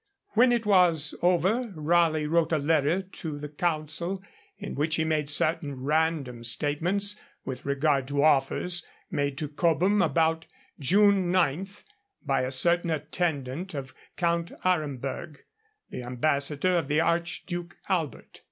When it was over Raleigh wrote a letter to the Council, in which he made certain random statements with regard to offers made to Cobham about June 9 by a certain attendant of Count Aremberg, the ambassador of the Archduke Albert.